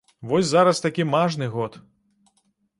Вось зараз такі мажны год.